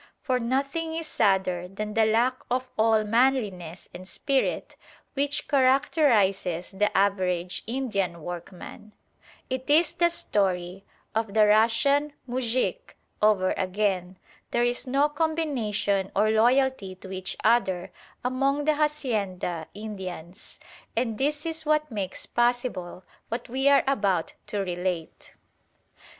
For nothing is sadder than the lack of all manliness and spirit which characterises the average Indian workman. It is the story of the Russian moujik over again. There is no combination or loyalty to each other among the hacienda Indians; and this is what makes possible what we are about to relate.